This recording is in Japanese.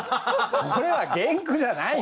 これは原句じゃないの！